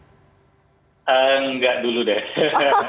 enggak dulu deh